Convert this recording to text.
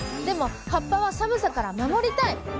でも葉っぱは寒さから守りたい。